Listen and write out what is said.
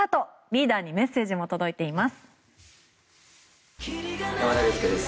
リーダーにメッセージも届いています。